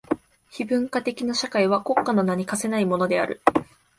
非文化的な社会は国家の名に価せないものである。